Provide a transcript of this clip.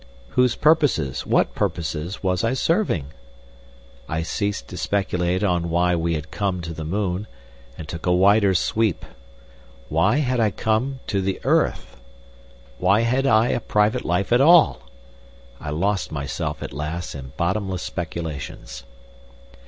Whose purposes, what purposes, was I serving? ... I ceased to speculate on why we had come to the moon, and took a wider sweep. Why had I come to the earth? Why had I a private life at all? ... I lost myself at last in bottomless speculations....